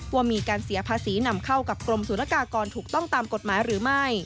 ว่ามีการเสียภาษีนำเข้ากับกรมสุรกากรถูกต้องตามกฎหมายหรือไม่